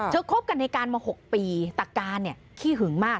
คบกันในการมา๖ปีแต่การเนี่ยขี้หึงมาก